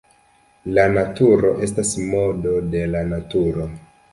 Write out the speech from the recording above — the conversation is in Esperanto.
La naturo estas modo de la Naturo.